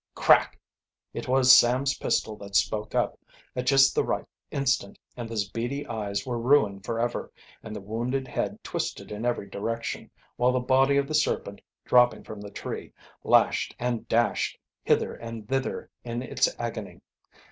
Crack! It was Sam's pistol that spoke up, at just the right instant, and those beady eyes were ruined forever, and the wounded head twisted in every direction, while the body of the serpent, dropping from the tree, lashed and dashed hither and thither in its agony.